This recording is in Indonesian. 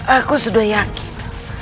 aku sudah yakin